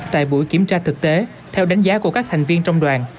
tại buổi kiểm tra thực tế theo đánh giá của các thành viên trong đoàn